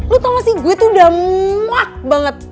lo tau gak sih gue tuh udah muak banget